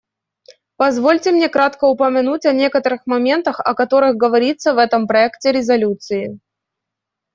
Позвольте мне кратко упомянуть о некоторых моментах, о которых говорится в этом проекте резолюции.